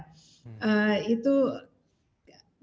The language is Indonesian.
itu mungkin juga bisa diperlukan untuk menjaga kesehatan dan kekuatan kita